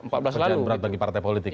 pelajaran berat bagi partai politik